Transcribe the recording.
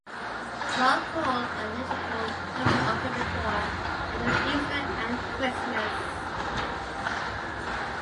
More choral and liturgical services occur before and during Easter and Christmas.